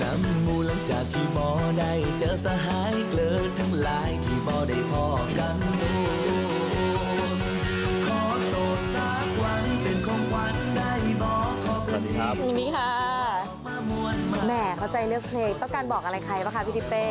เข้าใจเลือกเพลงต้องการบอกอะไรใครบ้างคะพี่ทิเป้